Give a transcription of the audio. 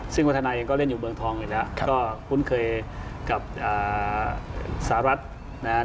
ซึ่งวัฒนาเองก็เล่นอยู่เมืองทองอยู่แล้วก็คุ้นเคยกับสหรัฐนะครับ